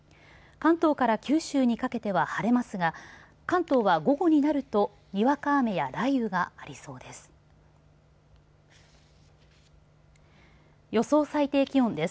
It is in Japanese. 関東から九州にかけては晴れますが関東は午後になるとにわか雨や雷雨がありそうです。